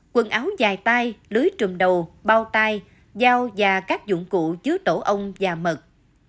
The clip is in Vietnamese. quần áo dài tay lưới trùm đầu bao tai dao và các dụng cụ chứa tổ ong và mật